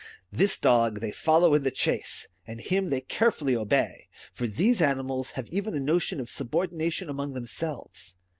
This dog they follow in the chase, and him they carefully obey ; for these animals have even a notion of subordination among themselves.